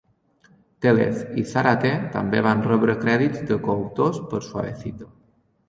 Téllez i Zárate també van rebre crèdits de coautors per "Suavecito".